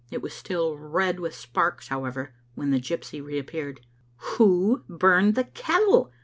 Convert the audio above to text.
It was still red with sparks, however, when the gypsy reappeared. "Who burned the kettle?"